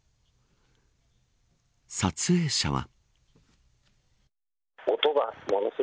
撮影者は。